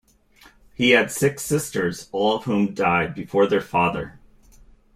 He had six sisters, all of whom died before their father.